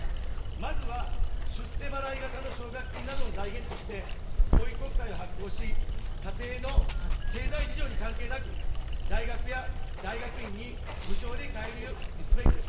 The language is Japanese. まずは出世払い型の奨学金などの財源として教育国債を発行し、家庭の経済事情に関係なく、大学や、大学院に無償で通えるようにすべきです。